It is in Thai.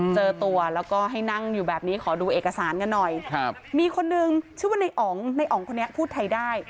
เจอตัวแล้วก็ให้นั่งอยู่แบบนี้ขอดูเอกสารกันหน่อยมีคนนึงชื่อว่าในอ๋องในอ๋องคนนี้พูดไทยได้